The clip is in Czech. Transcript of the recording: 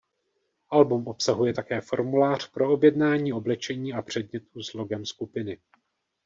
Album obsahuje také formulář pro objednání oblečení a předmětů s logem skupiny.